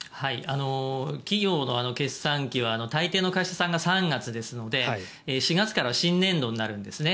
企業の決算期は大抵の会社さんが３月ですので４月から新年度になるんですね。